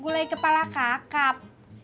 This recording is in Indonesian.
gulai kepala kakak